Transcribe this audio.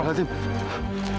masih awal awal tim